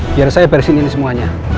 biar saya beresin ini semuanya